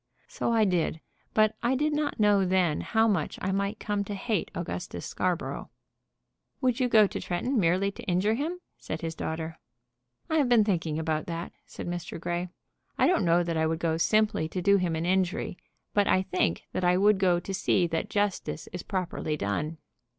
"So I did; but I did not know then how much I might come to hate Augustus Scarborough." "Would you go to Tretton merely to injure him?" said his daughter. "I have been thinking about that," said Mr. Grey. "I don't know that I would go simply to do him an injury; but I think that I would go to see that justice is properly done."